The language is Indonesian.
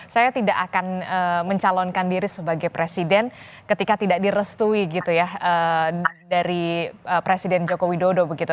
saya tidak akan mencalonkan diri sebagai presiden ketika tidak direstui gitu ya dari presiden joko widodo begitu